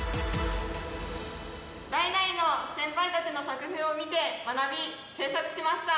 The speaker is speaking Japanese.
代々の先輩たちの作風を見て学び制作しました。